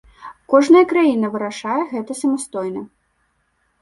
Кожная краіна вырашае гэта самастойна.